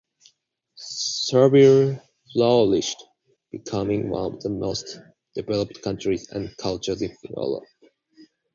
Serbia flourished, becoming one of the most developed countries and cultures in Europe.